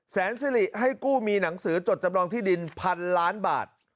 แสนสิริให้กู้มีหนังสือจดจำลองที่ดินพันล้านบาท